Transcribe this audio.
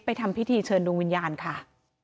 ทำพิธีเชิญดวงวิญญาณค่ะ